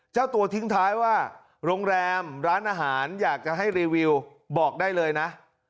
เจ้าตัวทิ้งท้ายว่าโรงแรมร้านอาหารอยากจะให้รีวิวบอกได้เลยนะ